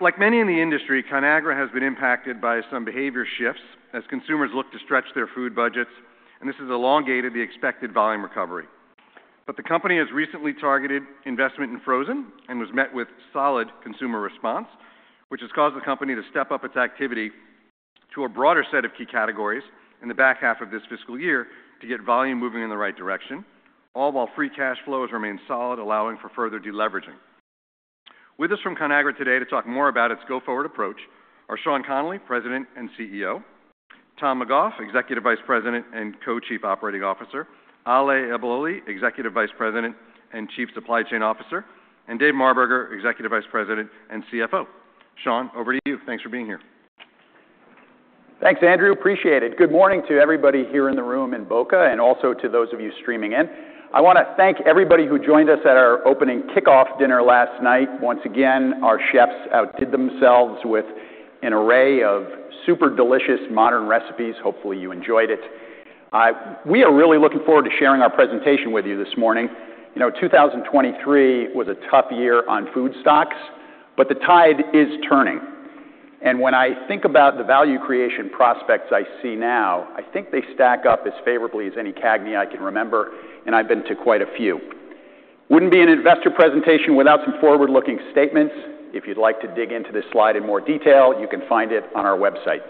Like many in the industry, Conagra has been impacted by some behavior shifts as consumers look to stretch their food budgets, and this has elongated the expected volume recovery. The company has recently targeted investment in frozen and was met with solid consumer response, which has caused the company to step up its activity to a broader set of key categories in the back half of this fiscal year to get volume moving in the right direction, all while free cash flows remain solid, allowing for further deleveraging. With us from Conagra today to talk more about its go-forward approach are Sean Connolly, President and CEO; Tom McGough, Executive Vice President and Co-Chief Operating Officer; Ale Eboli, Executive Vice President and Chief Supply Chain Officer; and David Marberger, Executive Vice President and CFO. Sean, over to you. Thanks for being here. Thanks, Dave. Appreciate it. Good morning to everybody here in the room in Boca and also to those of you streaming in. I want to thank everybody who joined us at our opening kickoff dinner last night. Once again, our chefs outdid themselves with an array of super delicious modern recipes. Hopefully, you enjoyed it. We are really looking forward to sharing our presentation with you this morning. You know, 2023 was a tough year on food stocks, but the tide is turning. when I think about the value creation prospects I see now, I think they stack up as favorably as any CAGNY I can remember, and I've been to quite a few. Wouldn't be an investor presentation without some forward-looking statements. If you'd like to dig into this slide in more detail, you can find it on our website.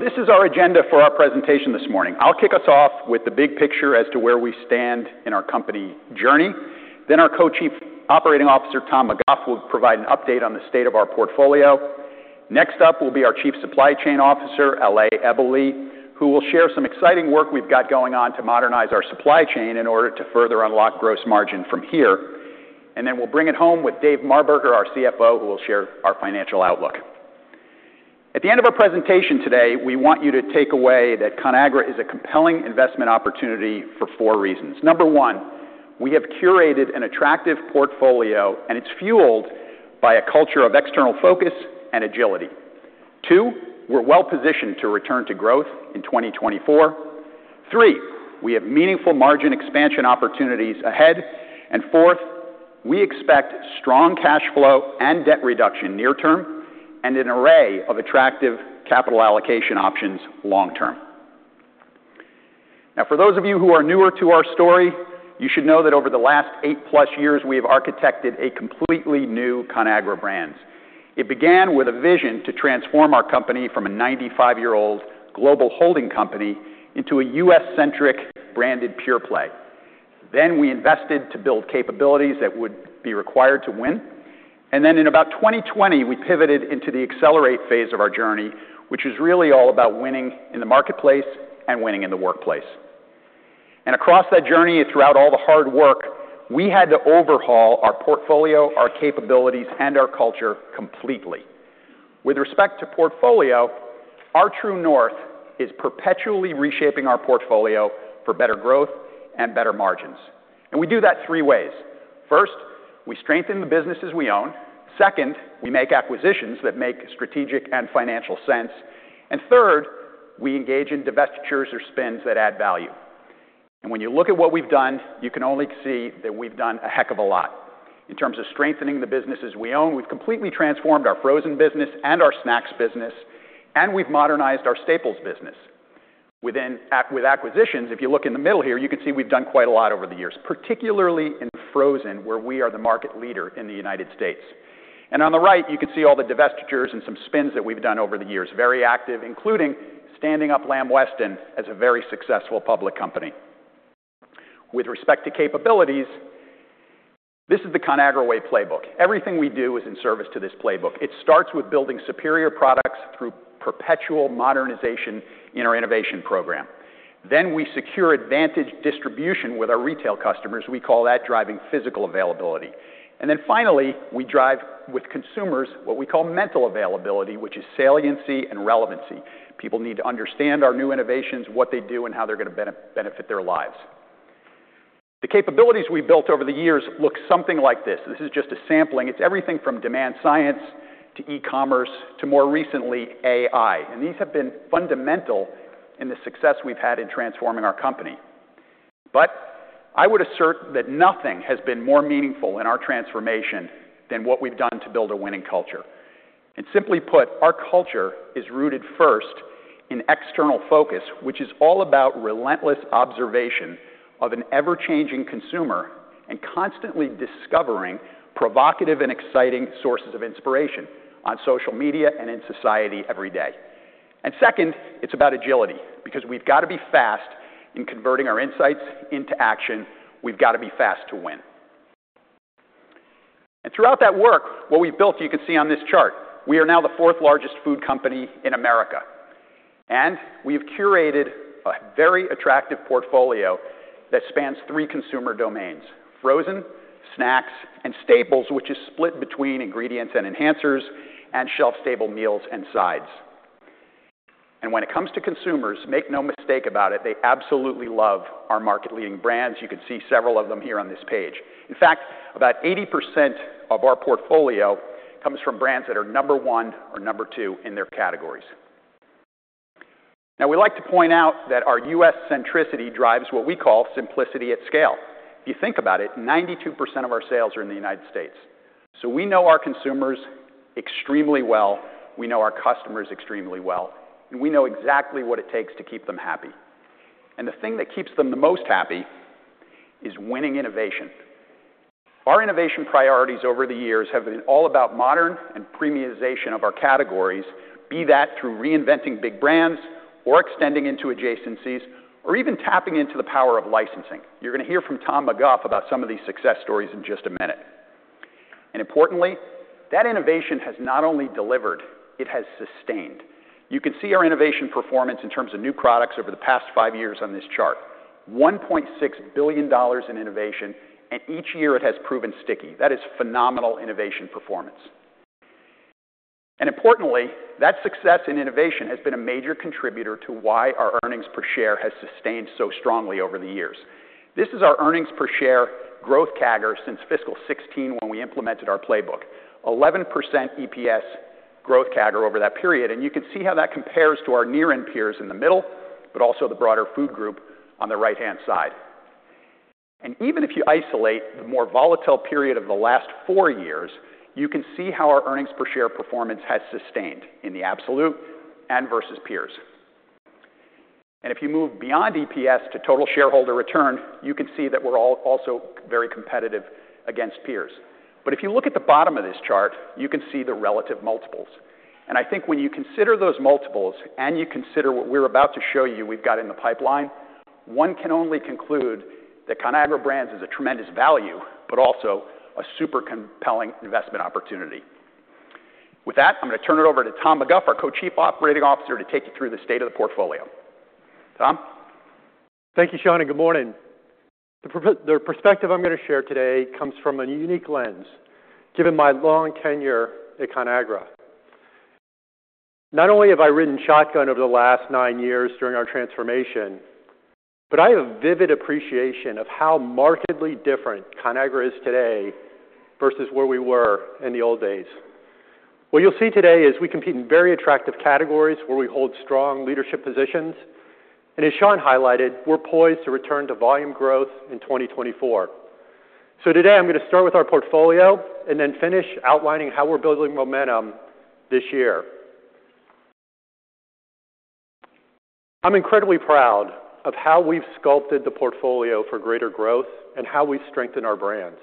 This is our agenda for our presentation this morning. I'll kick us off with the big picture as to where we stand in our company journey. Then our Co-Chief Operating Officer, Tom McGough, will provide an update on the state of our portfolio. Next up will be our Chief Supply Chain Officer, Ale Eboli, who will share some exciting work we've got going on to modernize our supply chain in order to further unlock gross margin from here. Then we'll bring it home with Dave Marberger, our CFO, who will share our financial outlook. At the end of our presentation today, we want you to take away that Conagra is a compelling investment opportunity for four reasons. Number one, we have curated an attractive portfolio, and it's fueled by a culture of external focus and agility. Two, we're well-positioned to return to growth in 2024. Three, we have meaningful margin expansion opportunities ahead. Fourth, we expect strong cash flow and debt reduction near-term and an array of attractive capital allocation options long-term. Now, for those of you who are newer to our story, you should know that over the last 8+ years, we have architected a completely new Conagra Brands. It began with a vision to transform our company from a 95-year-old global holding company into a U.S.-centric branded pure play. We invested to build capabilities that would be required to win. Then in about 2020, we pivoted into the accelerate phase of our journey, which is really all about winning in the marketplace and winning in the workplace. Across that journey and throughout all the hard work, we had to overhaul our portfolio, our capabilities, and our culture completely. With respect to portfolio, our true north is perpetually reshaping our portfolio for better growth and better margins. We do that three ways. First, we strengthen the businesses we own. Second, we make acquisitions that make strategic and financial sense. Third, we engage in divestitures or spins that add value. When you look at what we've done, you can only see that we've done a heck of a lot. In terms of strengthening the businesses we own, we've completely transformed our frozen business and our snacks business, and we've modernized our staples business. With acquisitions, if you look in the middle here, you can see we've done quite a lot over the years, particularly in frozen, where we are the market leader in the United States. On the right, you can see all the divestitures and some spins that we've done over the years, very active, including standing up Lamb Weston as a very successful public company. With respect to capabilities, this is the Conagra Way Playbook. Everything we do is in service to this playbook. It starts with building superior products through perpetual modernization in our innovation program. Then we secure advantage distribution with our retail customers. We call that driving physical availability. Then finally, we drive with consumers what we call mental availability, which is saliency and relevancy. People need to understand our new innovations, what they do, and how they're going to benefit their lives. The capabilities we've built over the years look something like this. This is just a sampling. It's everything from demand science to e-commerce to more recently AI. These have been fundamental in the success we've had in transforming our company. I would assert that nothing has been more meaningful in our transformation than what we've done to build a winning culture. Simply put, our culture is rooted first in external focus, which is all about relentless observation of an ever-changing consumer and constantly discovering provocative and exciting sources of inspiration on social media and in society every day. Second, it's about agility because we've got to be fast in converting our insights into action. We've got to be fast to win. Throughout that work, what we've built, you can see on this chart, we are now the fourth largest food company in America. We have curated a very attractive portfolio that spans three consumer domains: frozen, snacks, and staples, which is split between ingredients and enhancers and shelf-stable meals and sides. When it comes to consumers, make no mistake about it, they absolutely love our market-leading brands. You can see several of them here on this page. In fact, about 80% of our portfolio comes from brands that are number one or number two in their categories. Now, we like to point out that our U.S.-centricity drives what we call simplicity at scale. If you think about it, 92% of our sales are in the United States. We know our consumers extremely well. We know our customers extremely well. We know exactly what it takes to keep them happy. The thing that keeps them the most happy is winning innovation. Our innovation priorities over the years have been all about modern and premiumization of our categories, be that through reinventing big brands or extending into adjacencies or even tapping into the power of licensing. You're going to hear from Tom McGough about some of these success stories in just a minute. Importantly, that innovation has not only delivered, it has sustained. You can see our innovation performance in terms of new products over the past five years on this chart: $1.6 billion in innovation, and each year it has proven sticky. That is phenomenal innovation performance. Importantly, that success in innovation has been a major contributor to why our earnings per share has sustained so strongly over the years. This is our earnings per share growth CAGR since fiscal 2016 when we implemented our playbook: 11% EPS growth CAGR over that period. You can see how that compares to our nearest peers in the middle, but also the broader food group on the right-hand side. Even if you isolate the more volatile period of the last four years, you can see how our earnings per share performance has sustained in the absolute and versus peers. If you move beyond EPS to total shareholder return, you can see that we're also very competitive against peers. If you look at the bottom of this chart, you can see the relative multiples. I think when you consider those multiples and you consider what we're about to show you we've got in the pipeline, one can only conclude that Conagra Brands is a tremendous value, but also a super compelling investment opportunity. With that, I'm going to turn it over to Tom McGough, our Co-Chief Operating Officer, to take you through the state of the portfolio. Tom? Thank you, Sean, and good morning. The perspective I'm going to share today comes from a unique lens given my long tenure at Conagra. Not only have I ridden shotgun over the last nine years during our transformation, but I have a vivid appreciation of how markedly different Conagra is today versus where we were in the old days. What you'll see today is we compete in very attractive categories where we hold strong leadership positions. As Sean highlighted, we're poised to return to volume growth in 2024. Today, I'm going to start with our portfolio and then finish outlining how we're building momentum this year. I'm incredibly proud of how we've sculpted the portfolio for greater growth and how we've strengthened our brands.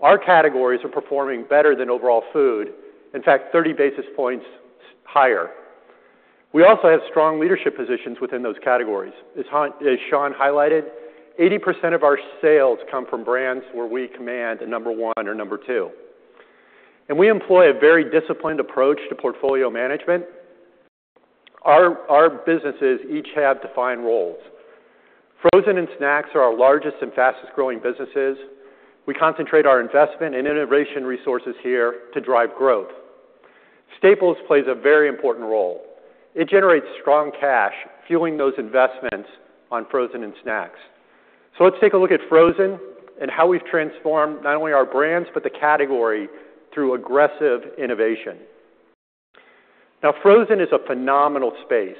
Our categories are performing better than overall food, in fact, 30 basis points higher. We also have strong leadership positions within those categories. As Sean highlighted, 80% of our sales come from brands where we command number one or number two. We employ a very disciplined approach to portfolio management. Our businesses each have defined roles. Frozen and snacks are our largest and fastest-growing businesses. We concentrate our investment and innovation resources here to drive growth. Staples plays a very important role. It generates strong cash fueling those investments on frozen and snacks. Let's take a look at frozen and how we've transformed not only our brands, but the category through aggressive innovation. Now, frozen is a phenomenal space.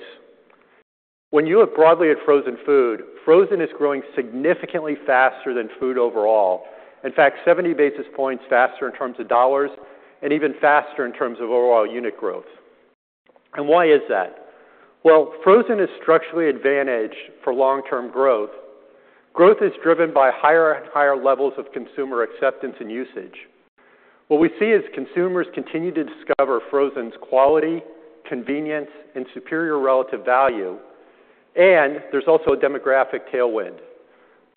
When you look broadly at frozen food, frozen is growing significantly faster than food overall, in fact, 70 basis points faster in terms of dollars and even faster in terms of overall unit growth. Why is that? Well, frozen is structurally advantaged for long-term growth. Growth is driven by higher and higher levels of consumer acceptance and usage. What we see is consumers continue to discover frozen's quality, convenience, and superior relative value. There's also a demographic tailwind.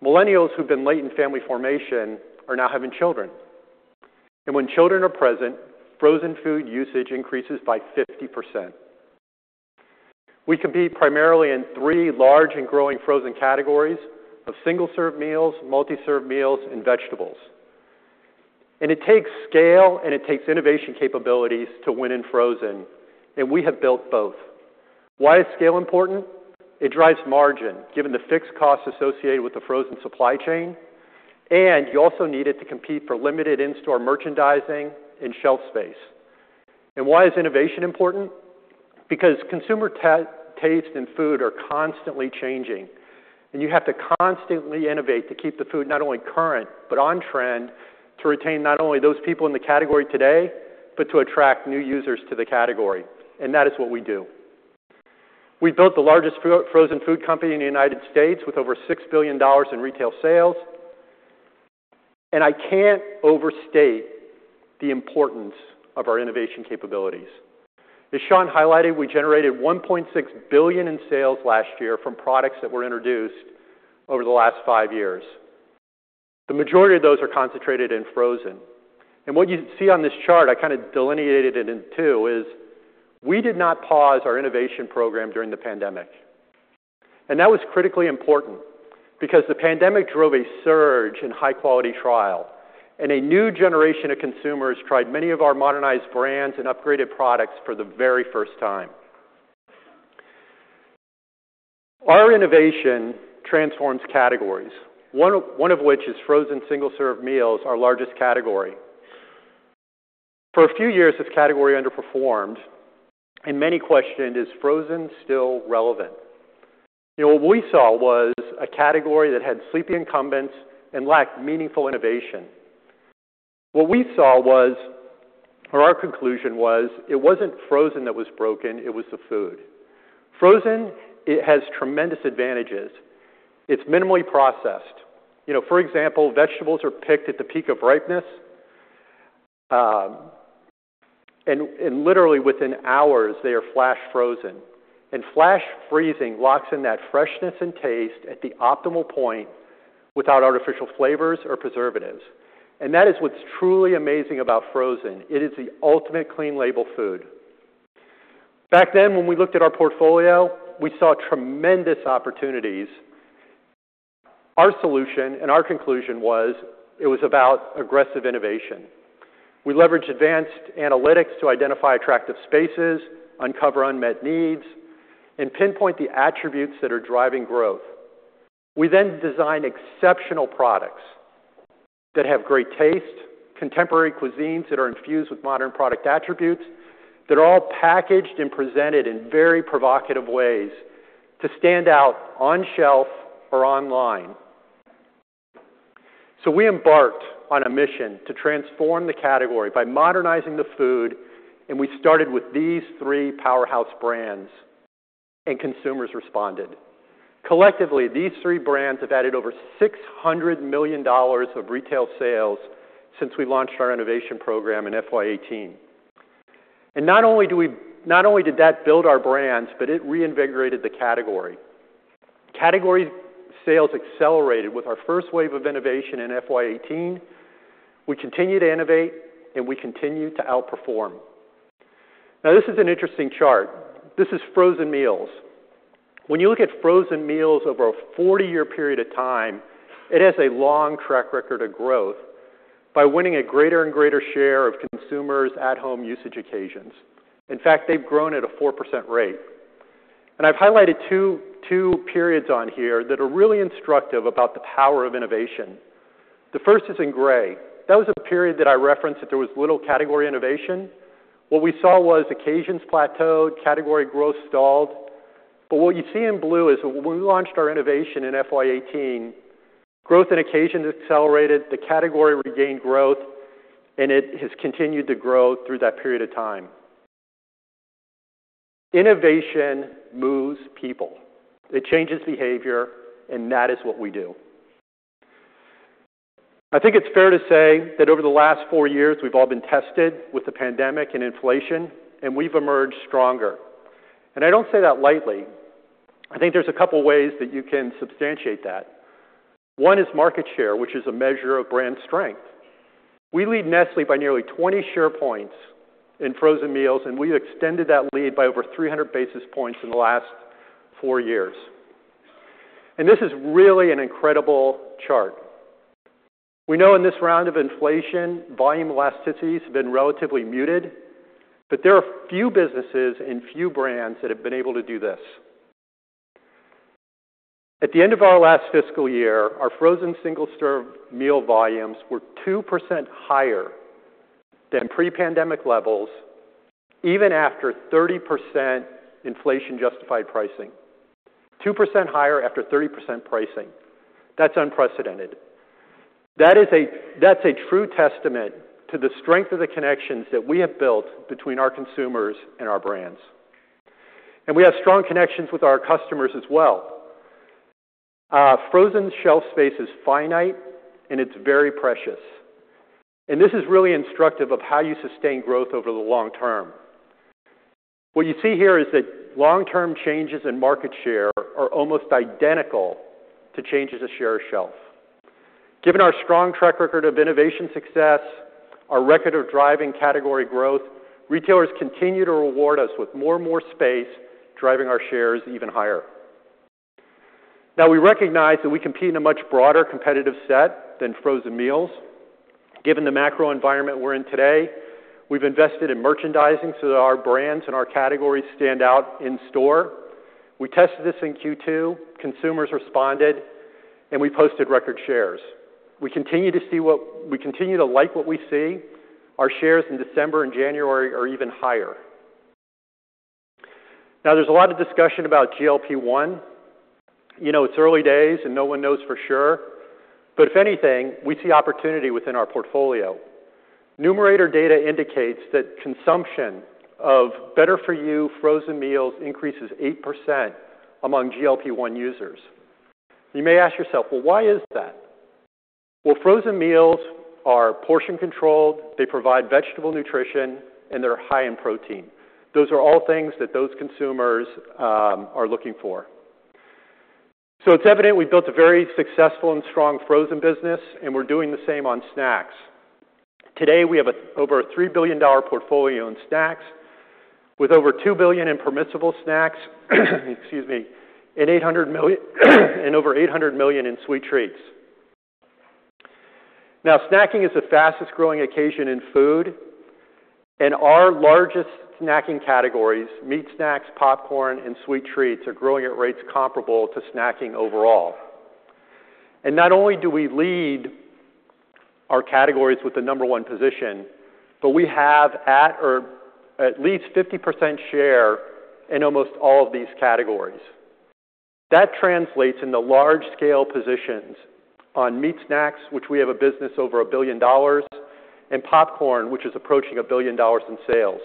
Millennials who've been late in family formation are now having children. When children are present, frozen food usage increases by 50%. We compete primarily in three large and growing frozen categories of single-serve meals, multi-serve meals, and vegetables. It takes scale and it takes innovation capabilities to win in frozen. We have built both. Why is scale important? It drives margin given the fixed costs associated with the frozen supply chain. You also need it to compete for limited in-store merchandising and shelf space. Why is innovation important? Because consumer tastes in food are constantly changing. You have to constantly innovate to keep the food not only current, but on trend, to retain not only those people in the category today, but to attract new users to the category. That is what we do. We've built the largest frozen food company in the United States with over $6 billion in retail sales. I can't overstate the importance of our innovation capabilities. As Sean highlighted, we generated $1.6 billion in sales last year from products that were introduced over the last five years. The majority of those are concentrated in frozen. What you see on this chart, I kind of delineated it in two, is we did not pause our innovation program during the pandemic. That was critically important because the pandemic drove a surge in high-quality trial. A new generation of consumers tried many of our modernized brands and upgraded products for the very first time. Our innovation transforms categories, one of which is frozen single-serve meals, our largest category. For a few years, this category underperformed. Many questioned, "Is frozen still relevant?" What we saw was a category that had sleepy incumbents and lacked meaningful innovation. What we saw was, or our conclusion was, it wasn't frozen that was broken, it was the food. Frozen, it has tremendous advantages. It's minimally processed. For example, vegetables are picked at the peak of ripeness. Literally within hours, they are flash frozen. Flash freezing locks in that freshness and taste at the optimal point without artificial flavors or preservatives. That is what's truly amazing about frozen. It is the ultimate clean label food. Back then, when we looked at our portfolio, we saw tremendous opportunities. Our solution and our conclusion was it was about aggressive innovation. We leveraged advanced analytics to identify attractive spaces, uncover unmet needs, and pinpoint the attributes that are driving growth. We then designed exceptional products that have great taste, contemporary cuisines that are infused with modern product attributes that are all packaged and presented in very provocative ways to stand out on shelf or online. We embarked on a mission to transform the category by modernizing the food. We started with these three powerhouse brands. Consumers responded. Collectively, these three brands have added over $600 million of retail sales since we launched our innovation program in FY18. Not only did that build our brands, but it reinvigorated the category. Category sales accelerated with our first wave of innovation in FY18. We continue to innovate, and we continue to outperform. Now, this is an interesting chart. This is frozen meals. When you look at frozen meals over a 40-year period of time, it has a long track record of growth by winning a greater and greater share of consumers' at-home usage occasions. In fact, they've grown at a 4% rate. I've highlighted two periods on here that are really instructive about the power of innovation. The first is in gray. That was a period that I referenced that there was little category innovation. What we saw was occasions plateaued, category growth stalled. What you see in blue is when we launched our innovation in FY18, growth in occasions accelerated, the category regained growth, and it has continued to grow through that period of time. Innovation moves people. It changes behavior, and that is what we do. I think it's fair to say that over the last four years, we've all been tested with the pandemic and inflation, and we've emerged stronger. I don't say that lightly. I think there's a couple of ways that you can substantiate that. One is market share, which is a measure of brand strength. We lead Nestlé by nearly 20 share points in frozen meals, and we've extended that lead by over 300 basis points in the last four years. This is really an incredible chart. We know in this round of inflation, volume elasticities have been relatively muted, but there are few businesses and few brands that have been able to do this. At the end of our last fiscal year, our frozen single-serve meal volumes were 2% higher than pre-pandemic levels, even after 30% inflation-justified pricing. 2% higher after 30% pricing. That's unprecedented. That's a true testament to the strength of the connections that we have built between our consumers and our brands. We have strong connections with our customers as well. Frozen shelf space is finite, and it's very precious. This is really instructive of how you sustain growth over the long term. What you see here is that long-term changes in market share are almost identical to changes in share of shelf. Given our strong track record of innovation success, our record of driving category growth, retailers continue to reward us with more and more space, driving our shares even higher. Now, we recognize that we compete in a much broader competitive set than frozen meals. Given the macro environment we're in today, we've invested in merchandising so that our brands and our categories stand out in-store. We tested this in Q2. Consumers responded, and we posted record shares. We continue to see what we continue to like what we see. Our shares in December and January are even higher. Now, there's a lot of discussion about GLP-1. It's early days, and no one knows for sure. If anything, we see opportunity within our portfolio. Numerator data indicates that consumption of better-for-you frozen meals increases 8% among GLP-1 users. You may ask yourself, "Well, why is that?" Well, frozen meals are portion-controlled. They provide vegetable nutrition, and they're high in protein. Those are all things that those consumers are looking for. It's evident we built a very successful and strong frozen business, and we're doing the same on snacks. Today, we have over a $3 billion portfolio in snacks with over $2 billion in permissible snacks - excuse me - and over $800 million in sweet treats. Now, snacking is the fastest-growing occasion in food. Our largest snacking categories, meat snacks, popcorn, and sweet treats, are growing at rates comparable to snacking overall. Not only do we lead our categories with the number one position, but we have at least 50% share in almost all of these categories. That translates into large-scale positions on meat snacks, which we have a business over $1 billion, and popcorn, which is approaching $1 billion in sales.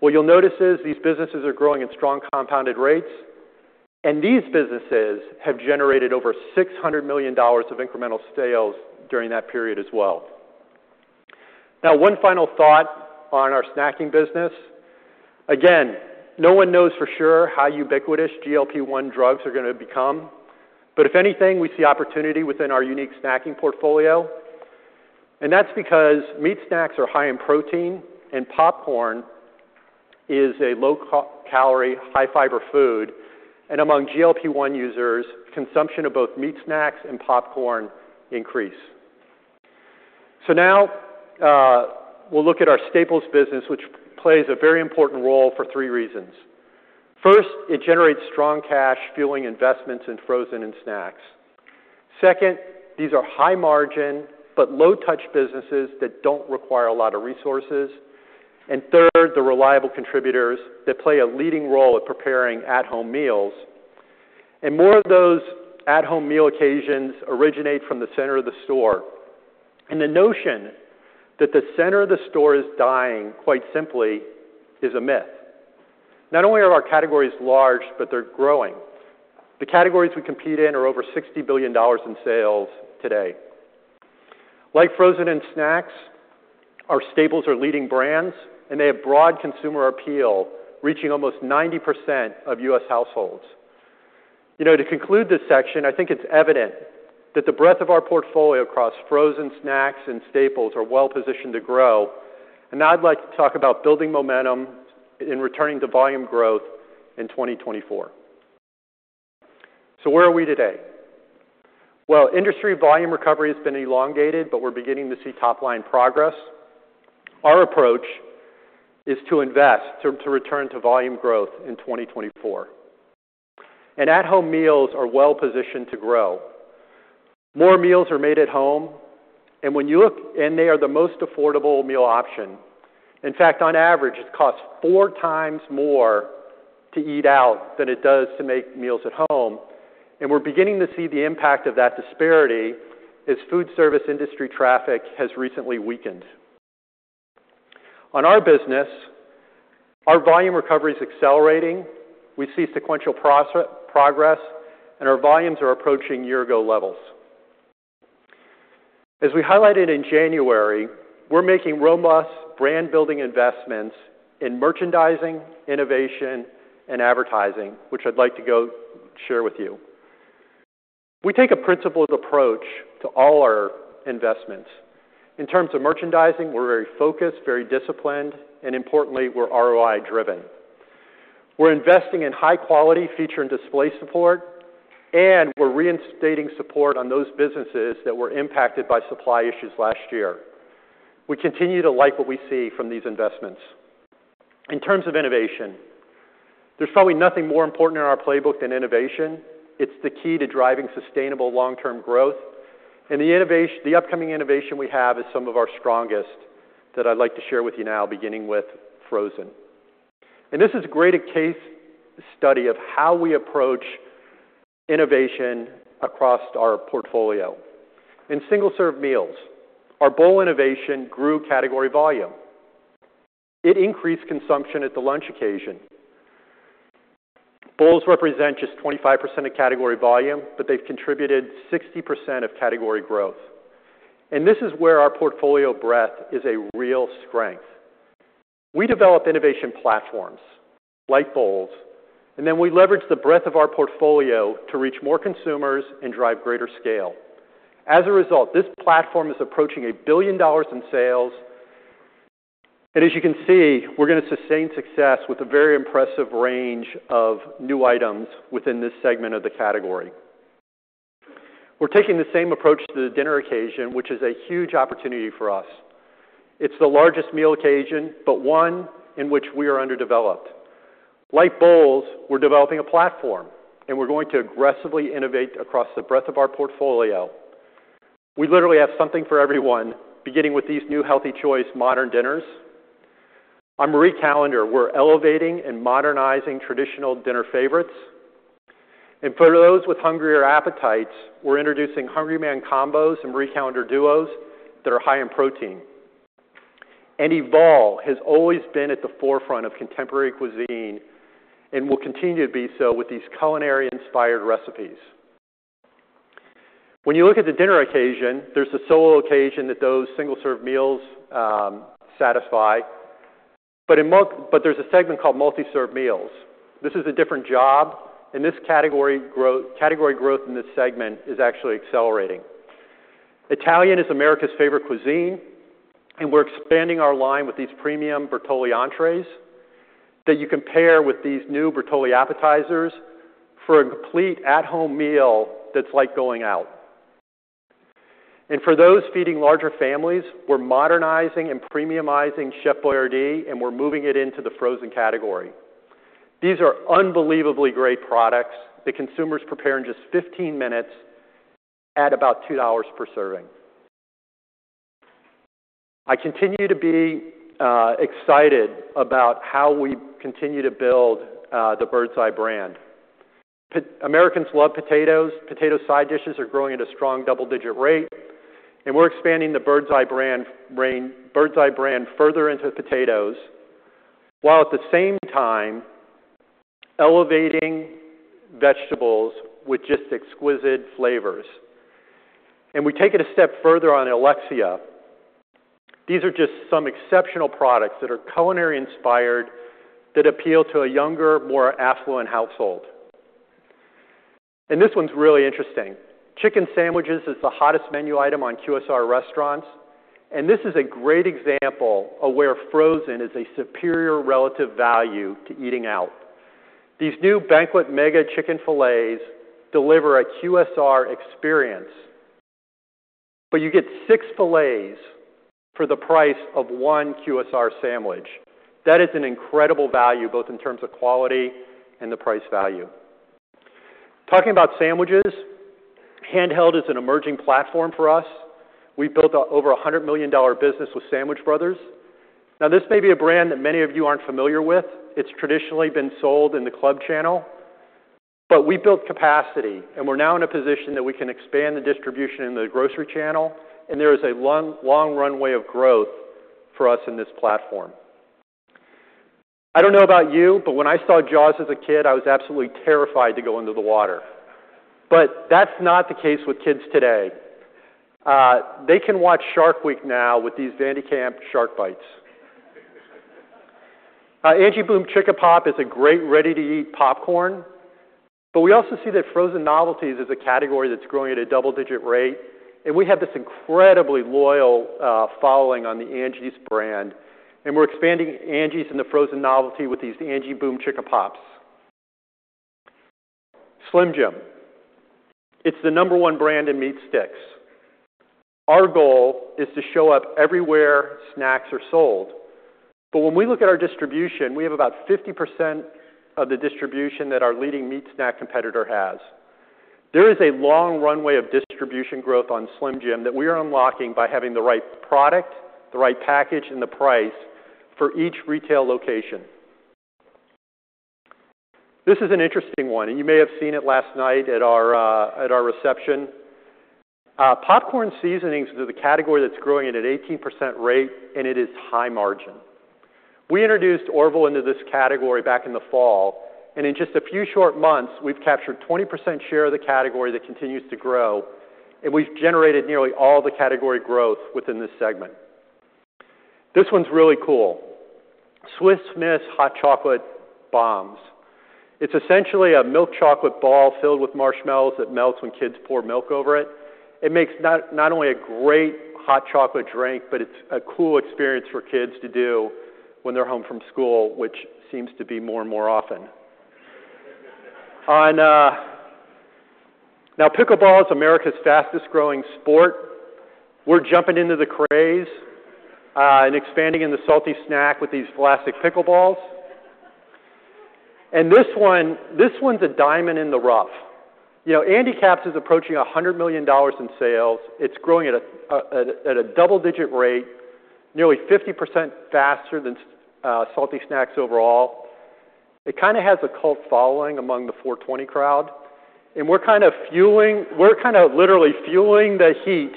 What you'll notice is these businesses are growing at strong compounded rates. These businesses have generated over $600 million of incremental sales during that period as well. Now, one final thought on our snacking business. Again, no one knows for sure how ubiquitous GLP-1 drugs are going to become. If anything, we see opportunity within our unique snacking portfolio. That's because meat snacks are high in protein, and popcorn is a low-calorie, high-fiber food. Among GLP-1 users, consumption of both meat snacks and popcorn increases. Now, we'll look at our Staples business, which plays a very important role for three reasons. First, it generates strong cash fueling investments in frozen and snacks. Second, these are high-margin but low-touch businesses that don't require a lot of resources. Third, the reliable contributors that play a leading role at preparing at-home meals. More of those at-home meal occasions originate from the center of the store. The notion that the center of the store is dying, quite simply, is a myth. Not only are our categories large, but they're growing. The categories we compete in are over $60 billion in sales today. Like frozen and snacks, our Staples are leading brands, and they have broad consumer appeal, reaching almost 90% of U.S. households. To conclude this section, I think it's evident that the breadth of our portfolio across frozen snacks and staples are well-positioned to grow. Now, I'd like to talk about building momentum and returning to volume growth in 2024. Where are we today? Well, industry volume recovery has been elongated, but we're beginning to see top-line progress. Our approach is to invest to return to volume growth in 2024. At-home meals are well-positioned to grow. More meals are made at home. When you look, they are the most affordable meal option. In fact, on average, it costs four times more to eat out than it does to make meals at home. We're beginning to see the impact of that disparity as food service industry traffic has recently weakened. On our business, our volume recovery is accelerating. We see sequential progress, and our volumes are approaching year-ago levels. As we highlighted in January, we're making robust brand-building investments in merchandising, innovation, and advertising, which I'd like to go share with you. We take a principled approach to all our investments. In terms of merchandising, we're very focused, very disciplined, and importantly, we're ROI-driven. We're investing in high-quality feature and display support, and we're reinstating support on those businesses that were impacted by supply issues last year. We continue to like what we see from these investments. In terms of innovation, there's probably nothing more important in our playbook than innovation. It's the key to driving sustainable long-term growth. The upcoming innovation we have is some of our strongest that I'd like to share with you now, beginning with frozen. This is a great case study of how we approach innovation across our portfolio. In single-serve meals, our bowl innovation grew category volume. It increased consumption at the lunch occasion. Bowls represent just 25% of category volume, but they've contributed 60% of category growth. This is where our portfolio breadth is a real strength. We develop innovation platforms, light bowls, and then we leverage the breadth of our portfolio to reach more consumers and drive greater scale. As a result, this platform is approaching $1 billion in sales. As you can see, we're going to sustain success with a very impressive range of new items within this segment of the category. We're taking the same approach to the dinner occasion, which is a huge opportunity for us. It's the largest meal occasion, but one in which we are underdeveloped. Like bowls, we're developing a platform, and we're going to aggressively innovate across the breadth of our portfolio. We literally have something for everyone, beginning with these new Healthy Choice modern dinners. On Marie Callender's, we're elevating and modernizing traditional dinner favorites. For those with hungrier appetites, we're introducing Hungry-Man combos and Marie Callender's Duos that are high in protein. EVOL has always been at the forefront of contemporary cuisine and will continue to be so with these culinary-inspired recipes. When you look at the dinner occasion, there's a solo occasion that those single-serve meals satisfy. There's a segment called multi-serve meals. This is a different job. Category growth in this segment is actually accelerating. Italian is America's favorite cuisine. We're expanding our line with these premium Bertolli entrées that you can pair with these new Bertolli appetizers for a complete at-home meal that's like going out. For those feeding larger families, we're modernizing and premiumizing Chef Boyardee, and we're moving it into the frozen category. These are unbelievably great products that consumers prepare in just 15 minutes at about $2 per serving. I continue to be excited about how we continue to build the Birds Eye brand. Americans love potatoes. Potato side dishes are growing at a strong double-digit rate. We're expanding the Birds Eye brand further into potatoes while at the same time elevating vegetables with just exquisite flavors. We take it a step further on Alexia. These are just some exceptional products that are culinary-inspired that appeal to a younger, more affluent household. This one's really interesting. Chicken sandwiches is the hottest menu item on QSR restaurants. This is a great example of where frozen is a superior relative value to eating out. These new Banquet Mega chicken fillets deliver a QSR experience, but you get six fillets for the price of one QSR sandwich. That is an incredible value, both in terms of quality and the price value. Talking about sandwiches, Handheld is an emerging platform for us. We built over a $100 million business with Sandwich Brothers. Now, this may be a brand that many of you aren't familiar with. It's traditionally been sold in the club channel. We built capacity, and we're now in a position that we can expand the distribution in the grocery channel. There is a long runway of growth for us in this platform. I don't know about you, but when I saw Jaws as a kid, I was absolutely terrified to go into the water. That's not the case with kids today. They can watch Shark Week now with these Van de Kamp's Shark Bites. Angie's BOOMCHICKAPOP is a great ready-to-eat popcorn. We also see that frozen novelties is a category that's growing at a double-digit rate. We have this incredibly loyal following on the Angie's brand. We're expanding Angie's and the frozen novelty with these Angie's BOOMCHICKAPOPs. Slim Jim. It's the number one brand in meat sticks. Our goal is to show up everywhere snacks are sold. When we look at our distribution, we have about 50% of the distribution that our leading meat snack competitor has. There is a long runway of distribution growth on Slim Jim that we are unlocking by having the right product, the right package, and the price for each retail location. This is an interesting one, and you may have seen it last night at our reception. Popcorn seasonings are the category that's growing at an 18% rate, and it is high margin. We introduced Orville into this category back in the fall. In just a few short months, we've captured 20% share of the category that continues to grow. We've generated nearly all the category growth within this segment. This one's really cool. Swiss Miss Hot Chocolate Bombs. It's essentially a milk chocolate ball filled with marshmallows that melts when kids pour milk over it. It makes not only a great hot chocolate drink, but it's a cool experience for kids to do when they're home from school, which seems to be more and more often. Now, Pickle Balls is America's fastest-growing sport. We're jumping into the craze and expanding in the salty snack with these Vlasic pickleballs. This one's a diamond in the rough. Andy Capp's is approaching $100 million in sales. It's growing at a double-digit rate, nearly 50% faster than salty snacks overall. It kind of has a cult following among the 420 crowd. And we're kind of literally fueling the heat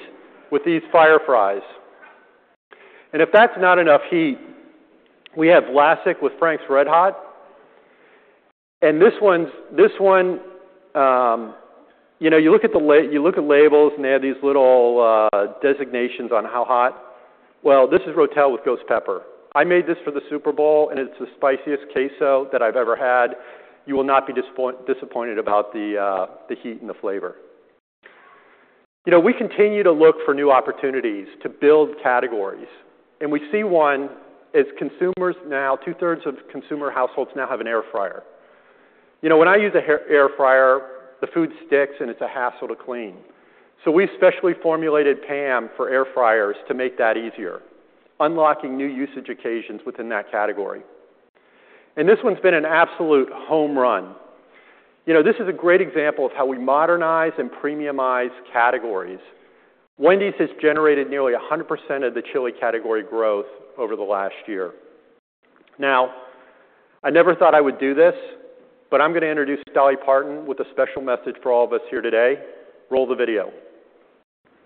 with these Fire Fries. If that's not enough heat, we have Vlasic with Frank's RedHot. This one, you look at the labels, and they have these little designations on how hot. Well, this is RO*TEL with Ghost Pepper. I made this for the Super Bowl, and it's the spiciest queso that I've ever had. You will not be disappointed about the heat and the flavor. We continue to look for new opportunities to build categories. We see one as consumers now, two-thirds of consumer households now have an air fryer. When I use an air fryer, the food sticks, and it's a hassle to clean. We specially formulated PAM for air fryers to make that easier, unlocking new usage occasions within that category. This one's been an absolute home run. This is a great example of how we modernize and premiumize categories. Wendy's has generated nearly 100% of the chili category growth over the last year. Now, I never thought I would do this, but I'm going to introduce Dolly Parton with a special message for all of us here today. Roll the video.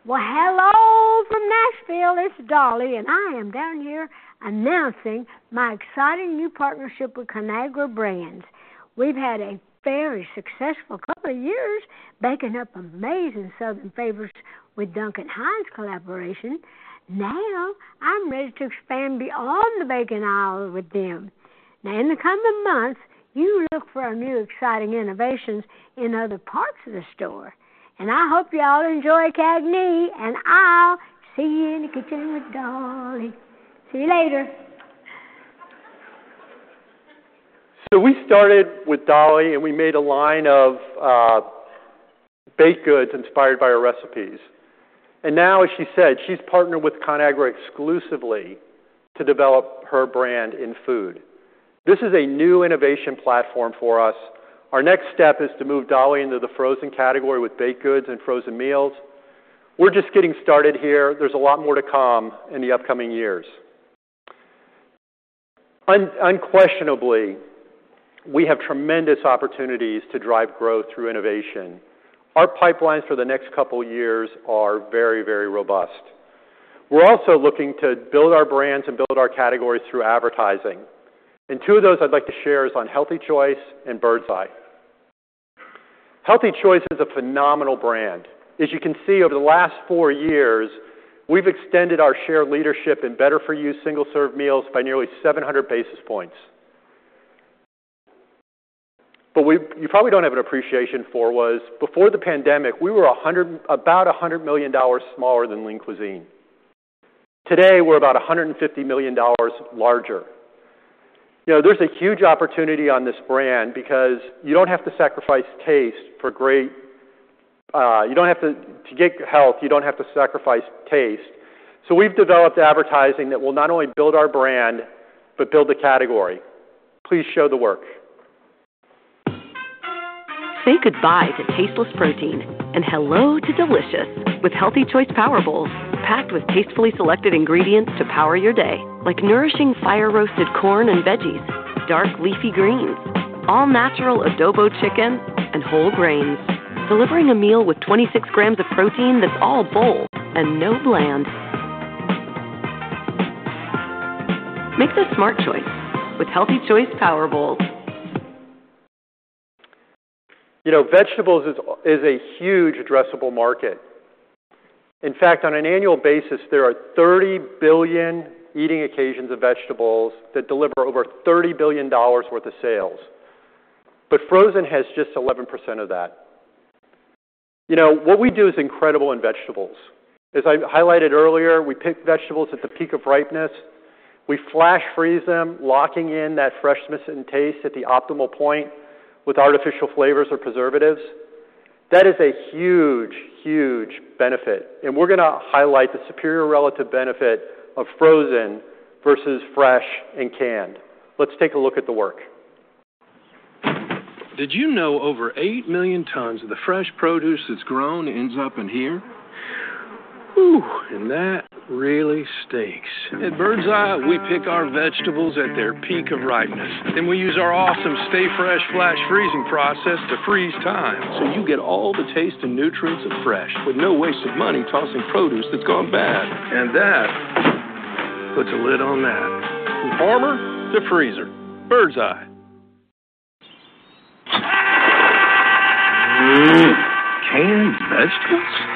Well, hello from Nashville. It's Dolly, and I am down here announcing my exciting new partnership with Conagra Brands. We've had a very successful couple of years baking up amazing southern flavors with Duncan Hines' collaboration. Now, I'm ready to expand beyond the bacon aisle with them. Now, in the coming months, you look for our new exciting innovations in other parts of the store. I hope y'all enjoy CAGNY, and I'll see you in the kitchen with Dolly. See you later. We started with Dolly, and we made a line of baked goods inspired by her recipes. Now, as she said, she's partnered with Conagra exclusively to develop her brand in food. This is a new innovation platform for us. Our next step is to move Dolly into the frozen category with baked goods and frozen meals. We're just getting started here. There's a lot more to come in the upcoming years. Unquestionably, we have tremendous opportunities to drive growth through innovation. Our pipelines for the next couple of years are very, very robust. We're also looking to build our brands and build our categories through advertising. Two of those I'd like to share are on Healthy Choice and Birds Eye. Healthy Choice is a phenomenal brand. As you can see, over the last four years, we've extended our shared leadership in better-for-you single-serve meals by nearly 700 basis points. You probably don't have an appreciation for what was before the pandemic; we were about $100 million smaller than Lean Cuisine. Today, we're about $150 million larger. There's a huge opportunity on this brand because you don't have to sacrifice taste for great; you don't have to to get health, you don't have to sacrifice taste. We've developed advertising that will not only build our brand but build the category. Please show the work. Say goodbye to tasteless protein and hello to delicious with Healthy Choice Power Bowls packed with tastefully selected ingredients to power your day, like nourishing fire-roasted corn and veggies, dark leafy greens, all-natural adobo chicken, and whole grains, delivering a meal with 26 grams of protein that's all bold and no bland. Make the smart choice with Healthy Choice Power Bowls. Vegetables is a huge addressable market. In fact, on an annual basis, there are 30 billion eating occasions of vegetables that deliver over $30 billion worth of sales. Frozen has just 11% of that. What we do is incredible in vegetables. As I highlighted earlier, we pick vegetables at the peak of ripeness. We flash freeze them, locking in that freshness and taste at the optimal point with artificial flavors or preservatives. That is a huge, huge benefit. We're going to highlight the superior relative benefit of frozen versus fresh and canned. Let's take a look at the work. Did you know over 8 million tons of the fresh produce that's grown ends up in here? Ooh, and that really stinks. At Birds Eye, we pick our vegetables at their peak of ripeness. Then we use our awesome Stay Fresh Flash Freezing process to freeze them. You get all the taste and nutrients of fresh with no waste of money tossing produce that's gone bad. That puts a lid on that. From farmer to freezer, Birds Eye. Canned vegetables?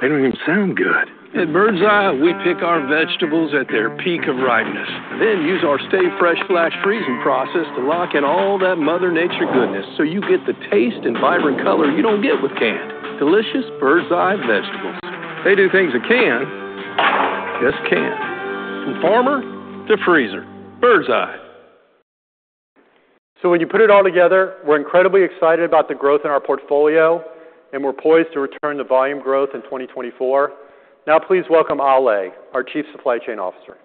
They don't even sound good. At Birds Eye, we pick our vegetables at their peak of ripeness and then use our Stay Fresh Flash Freezing process to lock in all that Mother Nature goodness so you get the taste and vibrant color you don't get with canned. Delicious Birds Eye vegetables. They do things that cans just can't. From farmer to freezer, Birds Eye. When you put it all together, we're incredibly excited about the growth in our portfolio, and we're poised to return the volume growth in 2024. Now, please welcome Ale, our Chief Supply Chain Officer.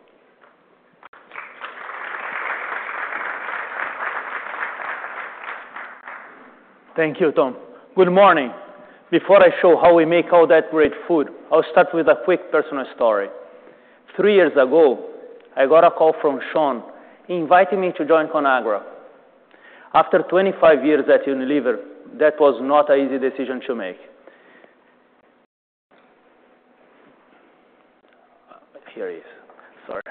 Thank you, Tom. Good morning. Before I show how we make all that great food, I'll start with a quick personal story. Three years ago, I got a call from Sean. He invited me to join Conagra. After 25 years at Unilever, that was not an easy decision to make. Here he is. Sorry.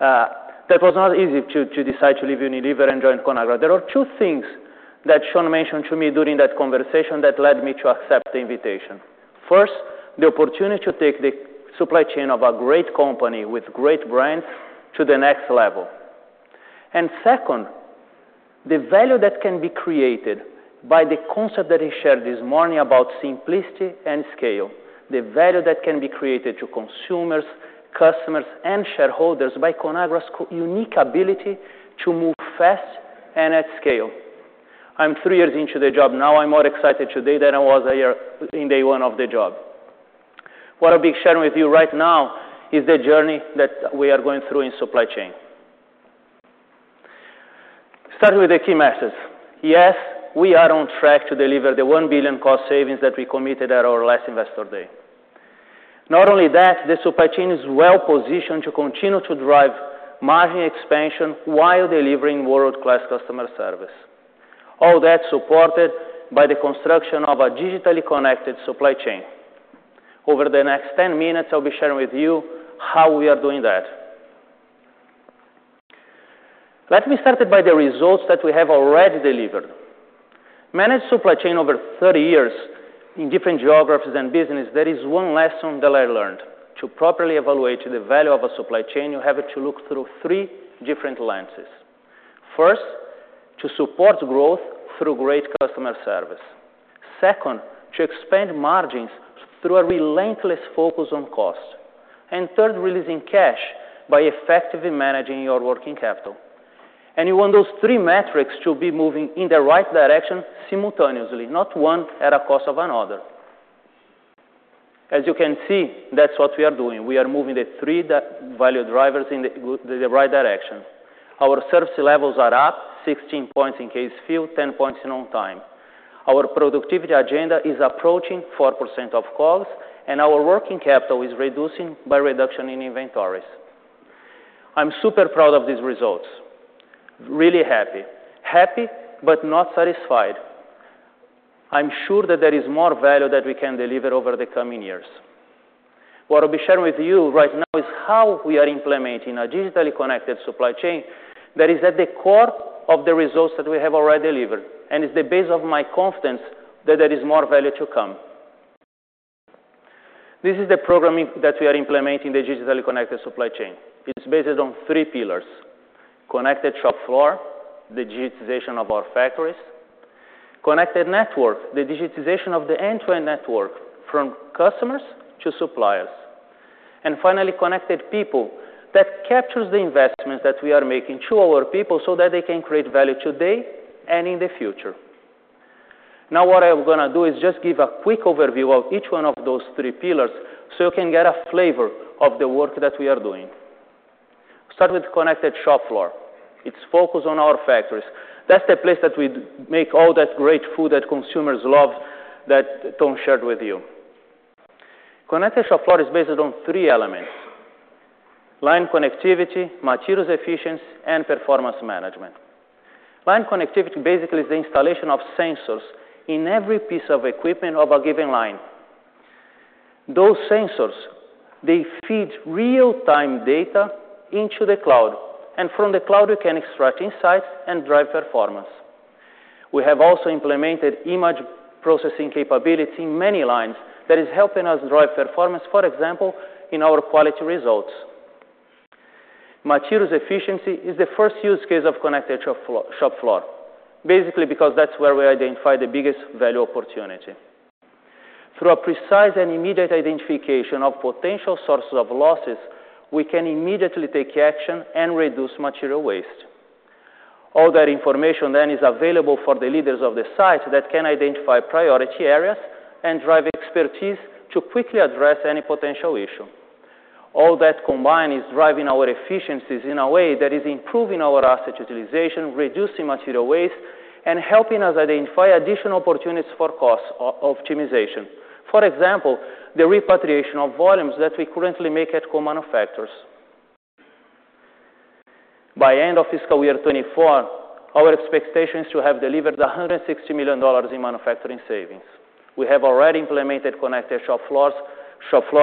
That was not easy to decide to leave Unilever and join Conagra. There are two things that Sean mentioned to me during that conversation that led me to accept the invitation. First, the opportunity to take the supply chain of a great company with great brands to the next level. Second, the value that can be created by the concept that he shared this morning about simplicity and scale, the value that can be created to consumers, customers, and shareholders by Conagra's unique ability to move fast and at scale. I'm three years into the job now. I'm more excited today than I was in day one of the job. What I'll be sharing with you right now is the journey that we are going through in supply chain. Starting with the key message. Yes, we are on track to deliver the $1 billion cost savings that we committed at our last investor day. Not only that, the supply chain is well positioned to continue to drive margin expansion while delivering world-class customer service. All that's supported by the construction of a digitally connected supply chain. Over the next 10 minutes, I'll be sharing with you how we are doing that. Let me start by the results that we have already delivered. Managed supply chain over 30 years in different geographies and businesses, there is one lesson that I learned. To properly evaluate the value of a supply chain, you have to look through three different lenses. First, to support growth through great customer service. Second, to expand margins through a relentless focus on cost. And third, releasing cash by effectively managing your working capital. You want those three metrics to be moving in the right direction simultaneously, not one at a cost of another. As you can see, that's what we are doing. We are moving the three value drivers in the right direction. Our service levels are up 16 points in case filled, 10 points in on time. Our productivity agenda is approaching 4% of COGS, and our working capital is reducing by reduction in inventories. I'm super proud of these results. Really happy. Happy, but not satisfied. I'm sure that there is more value that we can deliver over the coming years. What I'll be sharing with you right now is how we are implementing a digitally connected supply chain that is at the core of the results that we have already delivered. It's the base of my confidence that there is more value to come. This is the programming that we are implementing in the digitally connected supply chain. It's based on three pillars: connected shop floor, the digitization of our factories. Connected network, the digitization of the end-to-end network from customers to supplier. Finally, connected people, that captures the investments that we are making to our people so that they can create value today and in the future. Now, what I'm going to do is just give a quick overview of each one of those three pillars so you can get a flavor of the work that we are doing. Start with connected shop floor. It's focused on our factories. That's the place that we make all that great food that consumers love that Tom shared with you. Connected shop floor is based on three elements: line connectivity, materials efficiency, and performance management. Line connectivity basically is the installation of sensors in every piece of equipment of a given line. Those sensors, they feed real-time data into the cloud. From the cloud, you can extract insights and drive performance. We have also implemented image processing capabilities in many lines that are helping us drive performance, for example, in our quality results. Materials efficiency is the first use case of connected shop floor, basically because that's where we identify the biggest value opportunity. Through a precise and immediate identification of potential sources of losses, we can immediately take action and reduce material waste. All that information then is available for the leaders of the sites that can identify priority areas and drive expertise to quickly address any potential issue. All that combined is driving our efficiencies in a way that is improving our asset utilization, reducing material waste, and helping us identify additional opportunities for cost optimization, for example, the repatriation of volumes that we currently make at co-manufacturers. By the end of fiscal year 2024, our expectation is to have delivered $160 million in manufacturing savings. We have already implemented connected shop floor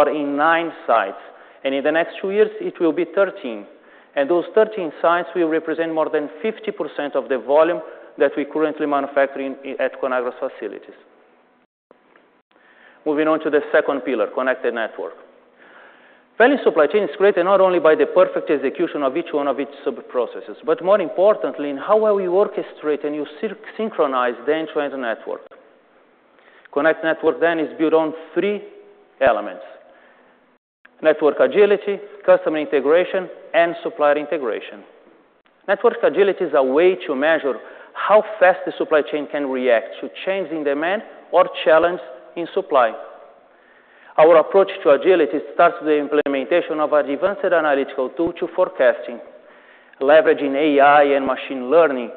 in 9 sites. In the next 2 years, it will be 13. Those 13 sites will represent more than 50% of the volume that we currently manufacture at Conagra's facilities. Moving on to the second pillar, connected network. Value supply chain is created not only by the perfect execution of each one of its subprocesses, but more importantly, in how well you orchestrate and you synchronize the end-to-end network. Connected network then is built on three elements: network agility, customer integration, and supplier integration. Network agility is a way to measure how fast the supply chain can react to changes in demand or challenges in supply. Our approach to agility starts with the implementation of advanced analytical tools for forecasting. Leveraging AI and machine learning,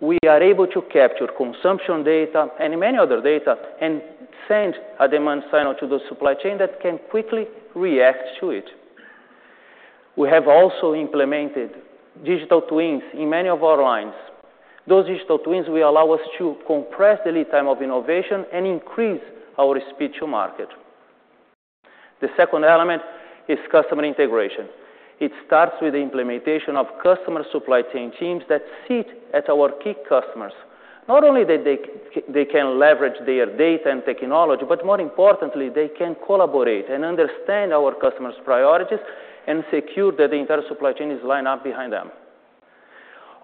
we are able to capture consumption data and many other data and send a demand signal to the supply chain that can quickly react to it. We have also implemented Digital Twins in many of our lines. Those Digital Twins will allow us to compress the lead time of innovation and increase our speed to market. The second element is customer integration. It starts with the implementation of customer supply chain teams that sit at our key customers. Not only that they can leverage their data and technology, but more importantly, they can collaborate and understand our customers' priorities and secure that the entire supply chain is lined up behind them.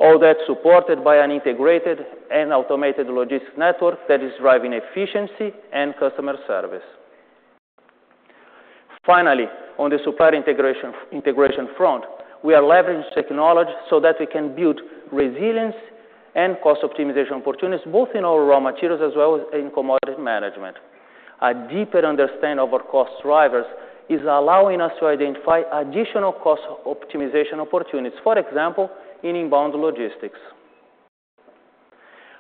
All that's supported by an integrated and automated logistics network that is driving efficiency and customer service. Finally, on the supplier integration front, we are leveraging technology so that we can build resilience and cost optimization opportunities both in our raw materials as well as in commodity management. A deeper understanding of our cost drivers is allowing us to identify additional cost optimization opportunities, for example, in inbound logistics.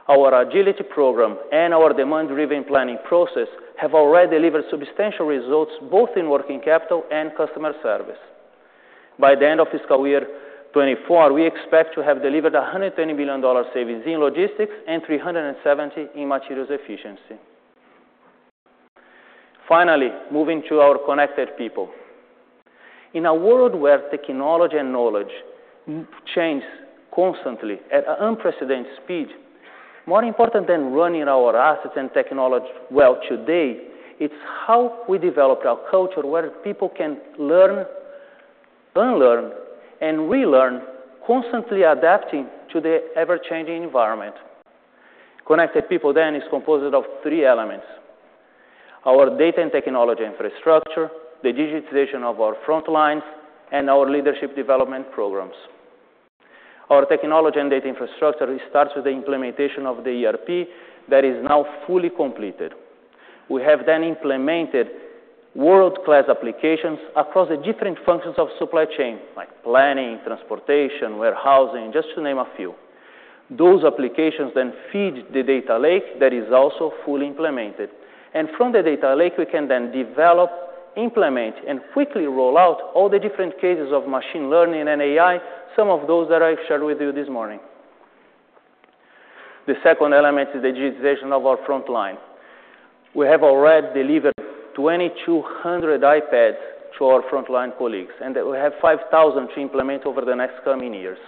Our agility program and our demand-driven planning process have already delivered substantial results both in working capital and customer service. By the end of fiscal year 2024, we expect to have delivered $120 million savings in logistics and $370 million in materials efficiency. Finally, moving to our connected people. In a world where technology and knowledge change constantly at an unprecedented speed, more important than running our assets and technology well today, it's how we develop our culture where people can learn, unlearn, and relearn, constantly adapting to the ever-changing environment. Connected people then is composed of three elements: our data and technology infrastructure, the digitization of our front lines, and our leadership development programs. Our technology and data infrastructure starts with the implementation of the ERP that is now fully completed. We have then implemented world-class applications across the different functions of supply chain, like planning, transportation, warehousing, just to name a few. Those applications then feed the data lake that is also fully implemented. From the data lake, we can then develop, implement, and quickly roll out all the different cases of machine learning and AI, some of those that I shared with you this morning. The second element is the digitization of our front line. We have already delivered 2,200 iPads to our front-line colleagues, and we have 5,000 to implement over the next coming years.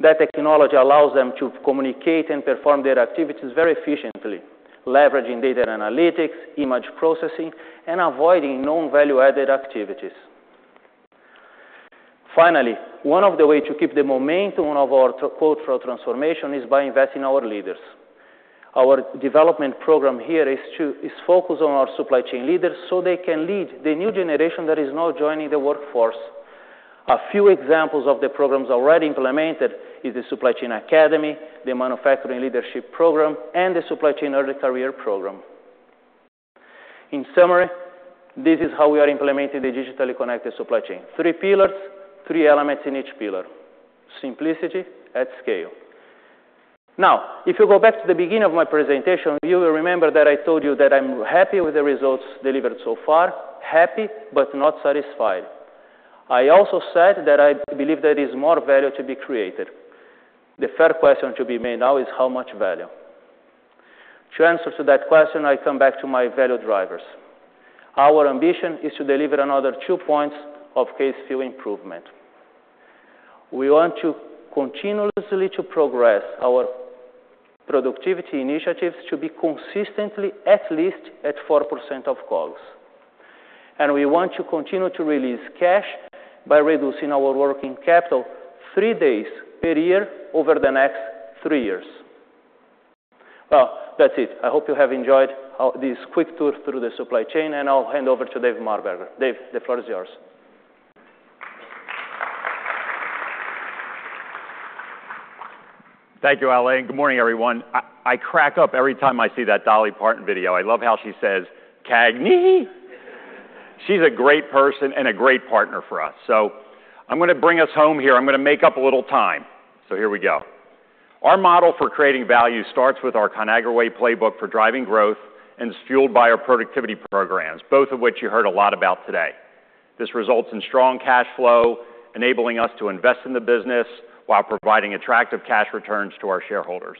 That technology allows them to communicate and perform their activities very efficiently, leveraging data analytics, image processing, and avoiding known value-added activities. Finally, one of the ways to keep the momentum of our cultural transformation is by investing in our leaders. Our development program here is focused on our supply chain leaders so they can lead the new generation that is now joining the workforce. A few examples of the programs already implemented are the Supply Chain Academy, the Manufacturing Leadership Program, and the Supply Chain Early Career Program. In summary, this is how we are implementing the digitally connected supply chain: three pillars, three elements in each pillar: simplicity at scale. Now, if you go back to the beginning of my presentation, you will remember that I told you that I'm happy with the results delivered so far, happy but not satisfied. I also said that I believe there is more value to be created. The fair question to be made now is, how much value? To answer that question, I come back to my value drivers. Our ambition is to deliver another two points of case-filled improvement. We want to continuously progress our productivity initiatives to be consistently at least at 4% of COGS. We want to continue to release cash by reducing our working capital 3 days per year over the next 3 years. Well, that's it. I hope you have enjoyed this quick tour through the supply chain. I'll hand over to Dave Marberger. Dave, the floor is yours. Thank you, Ale. Good morning, everyone. I crack up every time I see that Dolly Parton video. I love how she says, "CAGNY!" She's a great person and a great partner for us. I'm going to bring us home here. I'm going to make up a little time. Here we go. Our model for creating value starts with our Conagra Way Playbook for driving growth and is fueled by our productivity programs, both of which you heard a lot about today. This results in strong cash flow, enabling us to invest in the business while providing attractive cash returns to our shareholders.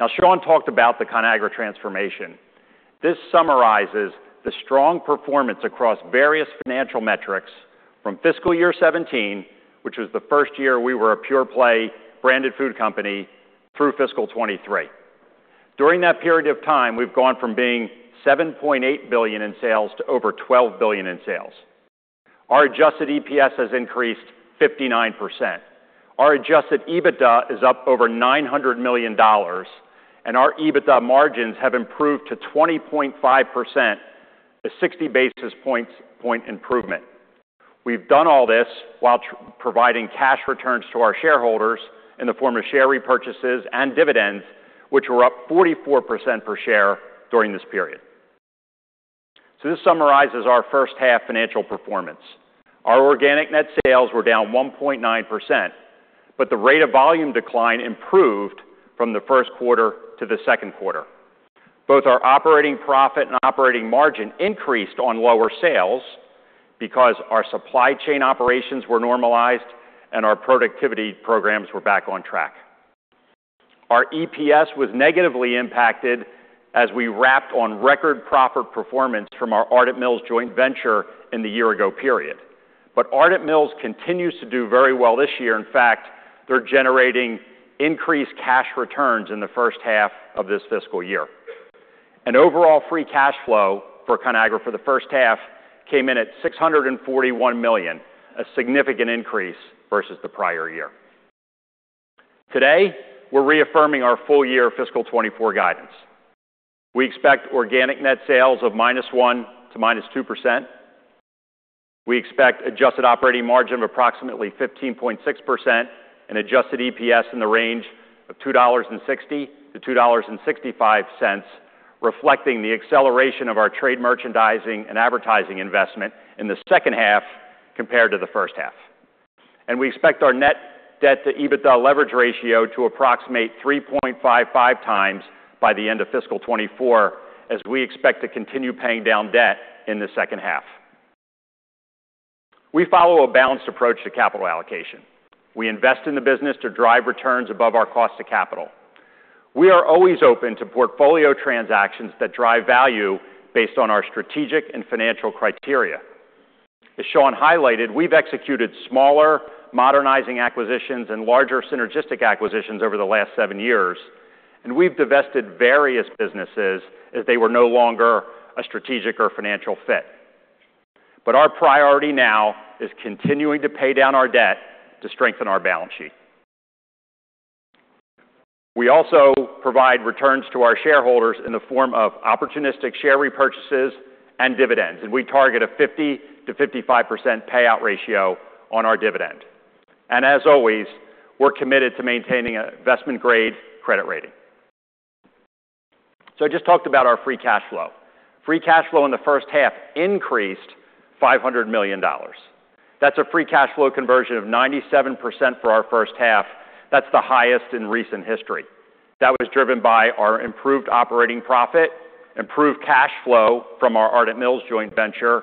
Now, Sean talked about the Conagra transformation. This summarizes the strong performance across various financial metrics from fiscal year 2017, which was the first year we were a pure-play branded food company, through fiscal 2023. During that period of time, we've gone from being $7.8 billion in sales to over $12 billion in sales. Our adjusted EPS has increased 59%. Our adjusted EBITDA is up over $900 million. Our EBITDA margins have improved to 20.5%, a 60 basis point improvement. We've done all this while providing cash returns to our shareholders in the form of share repurchases and dividends, which were up 44% per share during this period. This summarizes our first-half financial performance. Our organic net sales were down 1.9%, but the rate of volume decline improved from the first quarter to the second quarter. Both our operating profit and operating margin increased on lower sales because our supply chain operations were normalized and our productivity programs were back on track. Our EPS was negatively impacted as we wrapped on record profit performance from our Ardent Mills joint venture in the year-ago period. Ardent Mills continues to do very well this year. In fact, they're generating increased cash returns in the first half of this fiscal year. Overall free cash flow for Conagra for the first half came in at $641 million, a significant increase versus the prior year. Today, we're reaffirming our full-year fiscal 2024 guidance. We expect organic net sales of -1% to -2%. We expect adjusted operating margin of approximately 15.6% and adjusted EPS in the range of $2.60-$2.65, reflecting the acceleration of our trade merchandising and advertising investment in the second half compared to the first half. We expect our net debt to EBITDA leverage ratio to approximate 3.55x by the end of fiscal 2024, as we expect to continue paying down debt in the second half. We follow a balanced approach to capital allocation. We invest in the business to drive returns above our cost of capital. We are always open to portfolio transactions that drive value based on our strategic and financial criteria. As Sean highlighted, we've executed smaller modernizing acquisitions and larger synergistic acquisitions over the last seven years. We've divested various businesses as they were no longer a strategic or financial fit. Our priority now is continuing to pay down our debt to strengthen our balance sheet. We also provide returns to our shareholders in the form of opportunistic share repurchases and dividends. We target a 50%-55% payout ratio on our dividend. As always, we're committed to maintaining an investment-grade credit rating. Ijust talked about our free cash flow. Free cash flow in the first half increased $500 million. That's a free cash flow conversion of 97% for our first half. That's the highest in recent history. That was driven by our improved operating profit, improved cash flow from our Ardent Mills joint venture,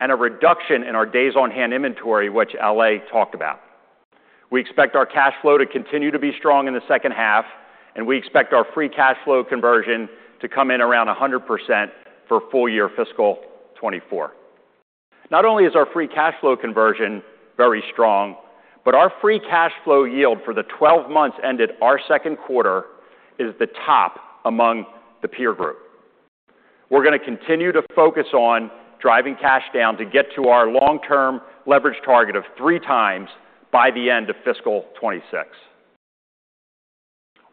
and a reduction in our days-on-hand inventory, which Ale talked about. We expect our cash flow to continue to be strong in the second half. We expect our free cash flow conversion to come in around 100% for full-year fiscal 2024. Not only is our free cash flow conversion very strong, but our free cash flow yield for the 12 months ended our second quarter is the top among the peer group. We're going to continue to focus on driving cash down to get to our long-term leverage target of 3x by the end of fiscal 2026.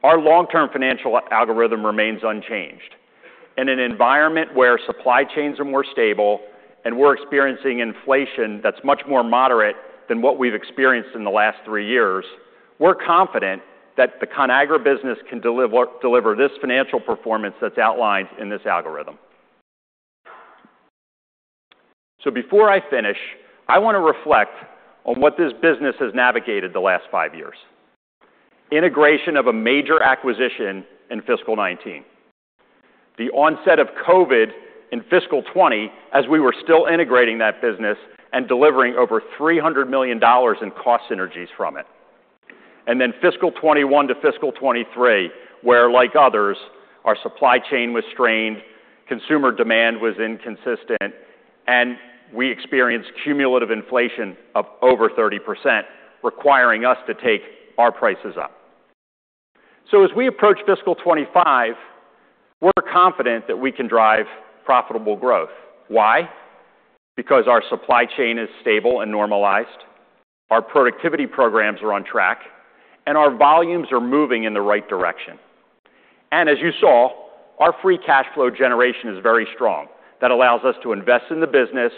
Our long-term financial algorithm remains unchanged. In an environment where supply chains are more stable and we're experiencing inflation that's much more moderate than what we've experienced in the last 3 years, we're confident that the Conagra business can deliver this financial performance that's outlined in this algorithm. Before I finish, I want to reflect on what this business has navigated the last 5 years: integration of a major acquisition in fiscal 2019, the onset of COVID in fiscal 2020 as we were still integrating that business and delivering over $300 million in cost synergies from it, and then fiscal 2021 to fiscal 2023 where, like others, our supply chain was strained, consumer demand was inconsistent, and we experienced cumulative inflation of over 30% requiring us to take our prices up. As we approach fiscal 2025, we're confident that we can drive profitable growth. Why? Because our supply chain is stable and normalized, our productivity programs are on track, and our volumes are moving in the right direction. As you saw, our free cash flow generation is very strong. That allows us to invest in the business,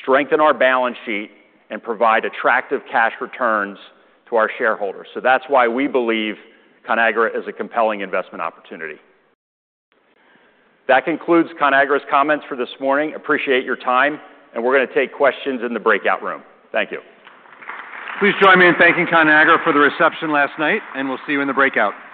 strengthen our balance sheet, and provide attractive cash returns to our shareholders. That's why we believe Conagra is a compelling investment opportunity. That concludes Conagra's comments for this morning. Appreciate your time. We're going to take questions in the breakout room. Thank you. Please join me in thanking Conagra for the reception last night. We'll see you in the breakout.